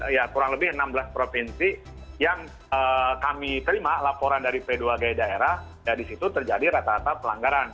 ya kurang lebih enam belas provinsi yang kami terima laporan dari p dua g daerah ya di situ terjadi rata rata pelanggaran